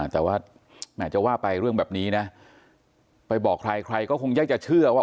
แต่ว่าแหมจะว่าไปเรื่องแบบนี้นะไปบอกใครใครก็คงยากจะเชื่อว่า